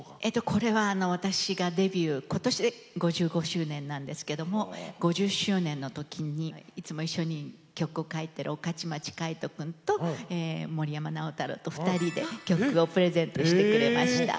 これは私がデビュー今年で５５周年なんですけども５０周年の時にいつも一緒に曲を書いてる御徒町凧君と森山直太朗と２人で曲をプレゼントしてくれました。